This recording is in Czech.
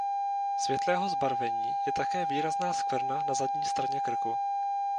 Světlého zbarvení je také výrazná skvrna na zadní straně krku.